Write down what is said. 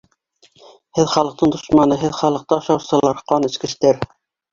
Һеҙ халыҡтың дошманы, һеҙ халыҡты ашаусылар, ҡан эскестәр!